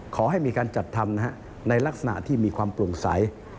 ขอให้มีการจัดทำในลักษณะที่มีความโปร่งใส